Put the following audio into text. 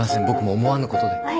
僕も思わぬことで。